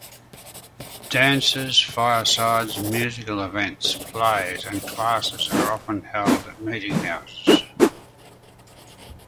Dances, firesides, musical events, plays, and classes are often held at meetinghouses.